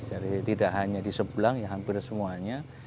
jadi tidak hanya di sebelang ya hampir semuanya